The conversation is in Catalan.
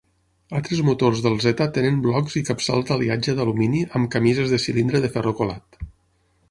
Altres motors del Z tenen blocs i capçals d'aliatge d'alumini, amb camises de cilindre de ferro colat.